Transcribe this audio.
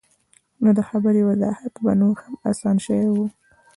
نو د خبرې وضاحت به نور هم اسان شوے وۀ -